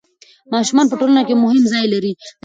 ماشومان په ټولنه کې مهم ځای لري.